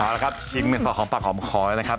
มาละครับชิงมีความปลาขอมคอแล้วนะครับ